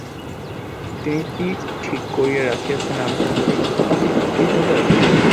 তিনি কি ঠিক করিয়া রাখিয়াছেন, আমি তাঁহারই ক্রীতদাস।